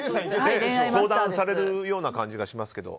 相談されるような感じがしますけど。